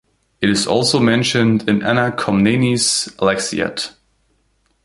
It is also mentioned in Anna Komnene's "Alexiad".